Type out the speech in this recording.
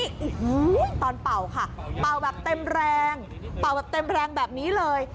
โอ้โหตอนเป่าค่ะเป่าแบบเต็มแรงเป่าแบบเต็มแรงแบบนี้เลย